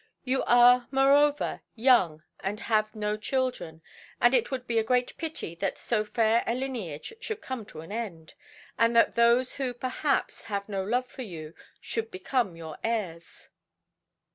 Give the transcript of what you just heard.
You are, moreover, young and have no children, and it would be a great pity that so fair a lineage should come to an end, and that those who, perhaps, have no love for you, should become your heirs."